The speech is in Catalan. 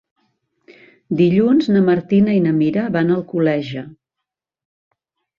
Dilluns na Martina i na Mira van a Alcoleja.